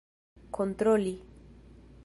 kontroli